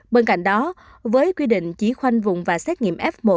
bên cạnh đó với quy định chỉ khoanh vùng và xét nghiệm f một